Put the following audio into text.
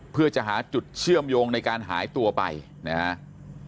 เพื่อจะหาจุดเชื่อมโยงในการหายตัวไปนะครับ